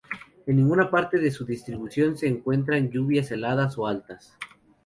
En ninguna parte de su distribución se encuentran lluvias heladas o altas.